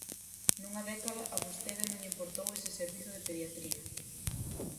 Nunha década a vostede non lle importou ese Servizo de Pediatría.